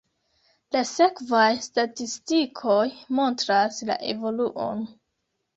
La sekvaj statistikoj montras la evoluon.